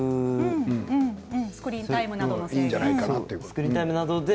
スクリーンタイムなどの。